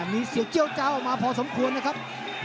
มีเสียเจี้ยวเจ้าออกมาพอสมควรนะครับ